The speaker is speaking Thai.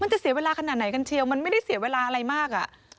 จะเสียเวลาขนาดไหนกันเชียวมันไม่ได้เสียเวลาอะไรมากอ่ะ